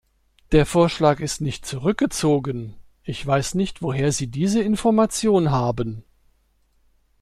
Der Vorschlag ist nicht zurückgezogen. Ich weiß nicht, woher Sie diese Information haben.